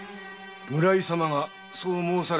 村井様がそう申されておるのか。